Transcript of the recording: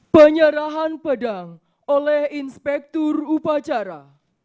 penyerahan pedang oleh inspektur upacara